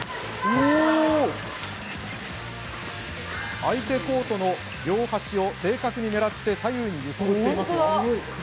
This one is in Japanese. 相手コートの両端を正確に狙って左右に揺さぶっています。